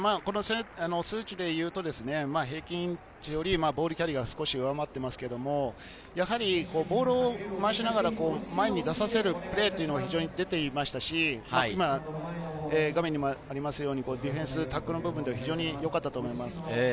数値でいうと平均値よりボールキャリーが少し上回ってますけれど、やはりボールを回しながら前に出させるプレーっていうのは非常に出ていましたし、画面にもありますようにディフェンス、タックルの部分では非常によかったと思います。